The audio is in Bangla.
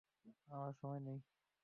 আমাদের সময় নেই।